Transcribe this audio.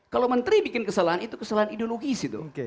kalau menteri bikin kesalahan itu kesalahan ideologis itu